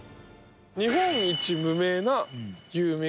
日本一無名な有名人。